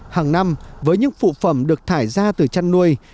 hàng năm với những phụ phẩm được thải ra từ chăn nuôi